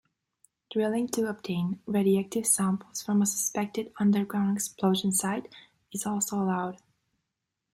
Drilling to obtain radioactive samples from a suspected underground explosion site is also allowed.